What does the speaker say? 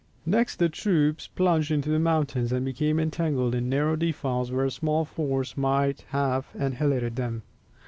Next the troops plunged into the mountains and became entangled in narrow defiles where a small force might have annihilated them.